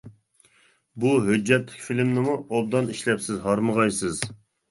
بۇ ھۆججەتلىك فىلىمنىمۇ ئوبدان ئىشلەپسىز، ھارمىغايسىز.